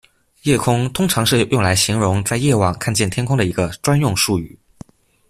夜空通常是用来形容在夜晚看见的天空的一个专用术语。